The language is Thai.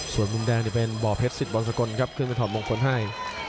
ส่วนมุมแดงนี่เป็นบ่อเพชรสิทธิ์บอลสะกลครับคือบรมงค์คนให้